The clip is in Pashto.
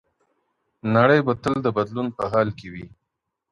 نړۍ به تل د بدلون په حال کي وي.